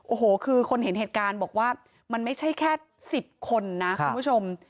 โอ้โหคือคนเห็นเหตุการณ์บอกว่ามันไม่ใช่แค่๑๐คนนะคุณผู้ชม